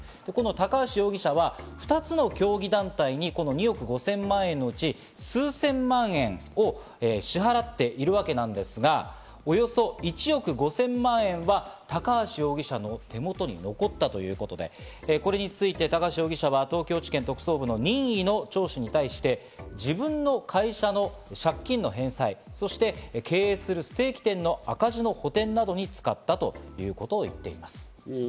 高橋容疑者は２つの競技団体に２億５０００万円のうち数千万円を支払っているわけなんですが、およそ１億５０００万円は高橋容疑者の手元に残ったということで、これについて高橋容疑者は東京地検特捜部の任意の聴取に対して、自分の会社の借金の返済、そして経営するステーキ店の赤字の補填などに使ったということを言っています。